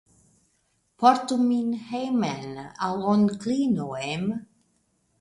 Portu min hejmen al Onklino Em?